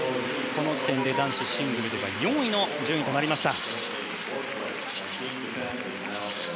この時点で男子シングルでは４位の順位となりました。